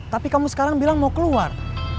tapi kamu sekarang bilang mau keluar